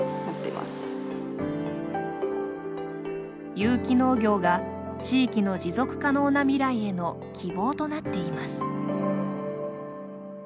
有機農業が、地域の持続可能な未来への希望となっています。